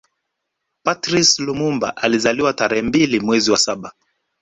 Patrice Lumumba alizaliwa tarehe mbili mwezi wa saba